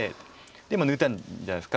今抜いたじゃないですか。